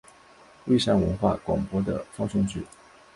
蔚山文化广播的放送局。